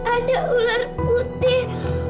ada ular putih